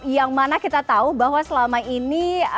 yang mana kita tahu bahwa selama ini